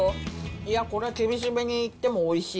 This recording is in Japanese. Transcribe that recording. いや、これは厳しめに言ってもおいしい。